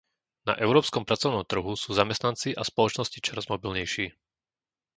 Na európskom pracovnom trhu sú zamestnanci a spoločnosti čoraz mobilnejší.